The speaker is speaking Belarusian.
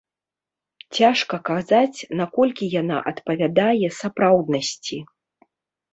Цяжка казаць, наколькі яна адпавядае сапраўднасці.